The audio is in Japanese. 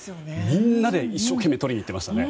みんなで一生懸命とりにいってましたよね。